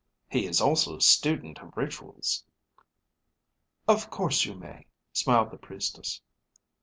"He is also a student of rituals." "Of course you may," smiled the Priestess.